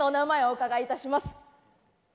お伺いいたします。